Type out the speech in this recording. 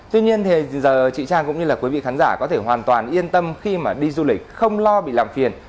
tuy nhiên thì giờ chị trang cũng như là quý vị khán giả có thể hoàn toàn yên tâm khi mà đi du lịch không lo bị làm phiền